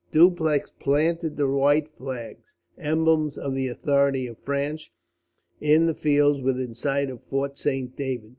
Dupleix planted the white flags, emblems of the authority of France, in the fields within sight of Fort Saint David.